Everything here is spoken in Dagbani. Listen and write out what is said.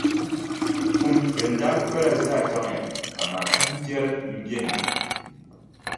Pum din daa kpala zaa chaŋya, amaa kahimpiɛri m-be ni.